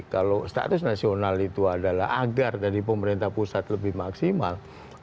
kalau status nasional itu adalah agar dari pemerintah pusat lebih maksimal